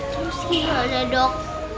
terus kira aja dok